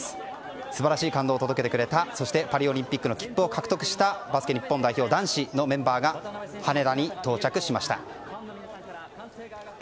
素晴らしい感動を届けてくれたそしてパリオリンピックの切符を獲得したバスケ日本代表男子のメンバーが羽田に到着しました。